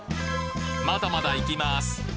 まだまだ行きます。